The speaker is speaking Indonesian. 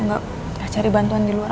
nggak cari bantuan di luar